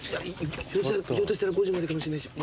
ひょっとしたら５時までかもしんないです。